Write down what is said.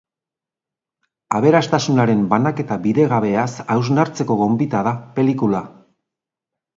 Aberastasunaren banaketa bidegabeaz hausnartzeko gonbita da pelikula.